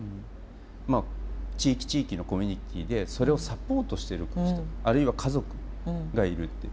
まあ地域地域のコミュニティーでそれをサポートしてる人あるいは家族がいるっていう。